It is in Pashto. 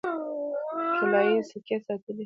طلايي سکې ساتلې.